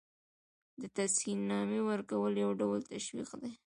د تحسین نامې ورکول یو ډول تشویق دی.